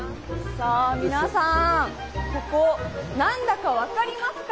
さあ皆さんここ何だか分かりますか？